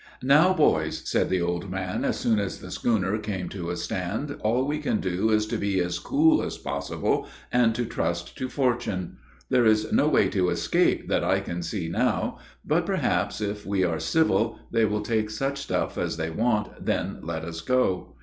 "Now boys," said the old man, as soon as the schooner came to a stand, "all we can do is to be as cool as possible, and to trust to fortune. There is no way to escape that I can see now; but, perhaps, if we are civil, they will take such stuff as they want, then let us go.